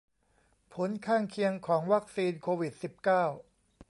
ผลข้างเคียงของวัคซีนโควิดสิบเก้า